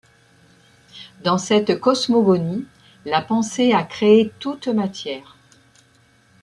Dans cette cosmogonie, la pensée a créé toute matière.